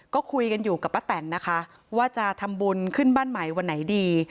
ก็คุยกันอยู่กับป้าแตนนะคะว่าจะทำบุญขึ้นบ้านใหม่วันไหนดี